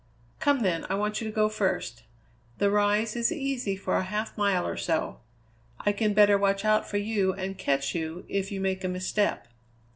"Come, then! I want you to go first. The rise is easy for a half mile or so. I can better watch out for you and catch you if you make a misstep.